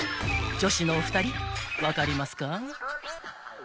［女子のお二人分かりますか？］